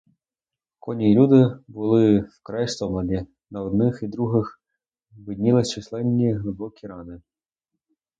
Коні і люди були вкрай стомлені, на одних і других виднілись численні глибокі рани.